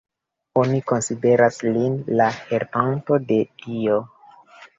Oni konsideras lin la helpanto de Dio.